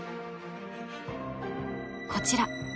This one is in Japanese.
こちら。